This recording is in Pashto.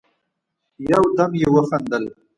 يودم يې وخندل: